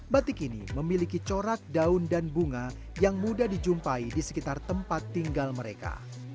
batik ini memiliki corak daun dan bunga yang mudah dijumpai di sekitar tempat tinggal mereka